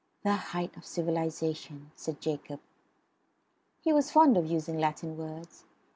"The height of civilization," said Jacob. He was fond of using Latin words.